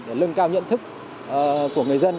để lưng cao nhận thức của người dân